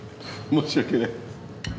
申し訳ない。